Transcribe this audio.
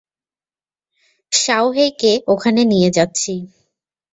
শাওহেইকে ওখানে নিয়ে যাচ্ছি।